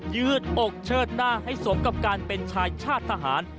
ืดอกเชิดหน้าให้สมกับการเป็นชายชาติทหาร